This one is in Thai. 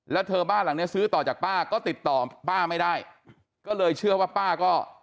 แล้วเธอบ้านหลังเนี้ยซื้อต่อจากป้าก็ติดต่อป้าไม่ได้ก็เลยเชื่อว่าป้าก็